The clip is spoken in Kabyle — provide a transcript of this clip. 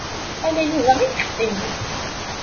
Ala Yuba ay yeqqimen.